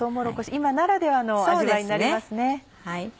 今ならではの味わいになりますね。